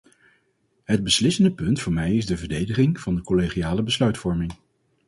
Het beslissende punt voor mij is de verdediging van de collegiale besluitvorming.